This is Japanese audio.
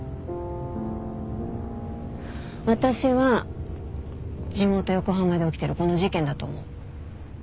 私は地元横浜で起きてるこの事件だと思う。